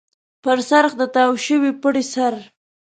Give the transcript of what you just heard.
پر څرخ د تاو شوي پړي سر.